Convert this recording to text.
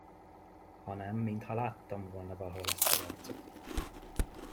Hanem mintha láttam volna valahol ezt az arcot.